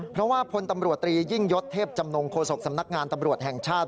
เพราะว่าพลตำรวจตรียิ่งยศเทพจำนงโฆษกสำนักงานตำรวจแห่งชาติ